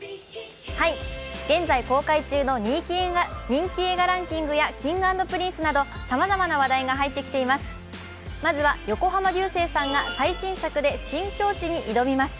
現在公開中の人気映画ランキングやＫｉｎｇ＆Ｐｒｉｎｃｅなど、さまざまな話題が入ってきています。